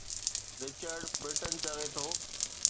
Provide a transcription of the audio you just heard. Richard Burton چوي ٿو.